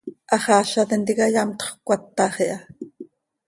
Haxaaza tintica yamtxö cöcatax iha.